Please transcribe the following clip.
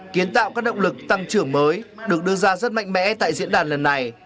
kiến tạo các động lực tăng trưởng mới được đưa ra rất mạnh mẽ tại diễn đàn lần này